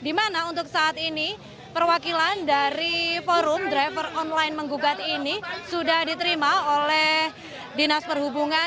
di mana untuk saat ini perwakilan dari forum driver online menggugat ini sudah diterima oleh dinas perhubungan